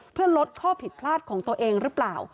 เพื่อลดข้อผิดพลาดของตัวเองหรือเปล่า